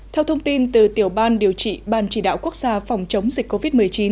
theo thông tin từ tiểu ban điều trị ban chỉ đạo quốc gia phòng chống dịch covid một mươi chín